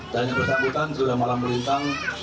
dan yang bersangkutan sudah malam melintang